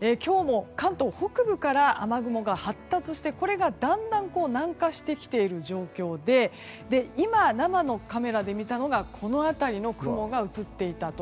今日も関東北部から雨雲が発達してこれがだんだん南下してきている状況で今、生のカメラで見たのがこの辺りの雲でした。